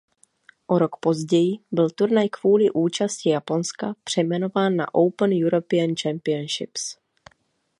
O rok později byl turnaj kvůli účasti Japonska přejmenován na Open European Championships.